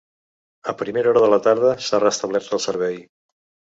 A primera hora de la tarda, s’ha restablert el servei.